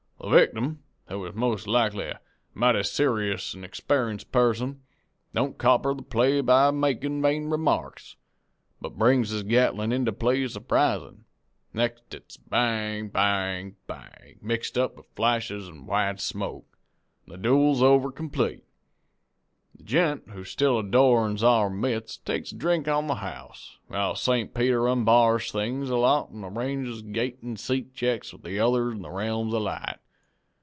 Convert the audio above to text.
The victim, who is most likely a mighty serious an' experienced person, don't copper the play by makin' vain remarks, but brings his gatlin' into play surprisin'. Next it's bang! bang! bang! mixed up with flashes an' white smoke, an' the dooel is over complete. The gent who still adorns our midst takes a drink on the house, while St. Peter onbars things a lot an' arranges gate an' seat checks with the other in the realms of light.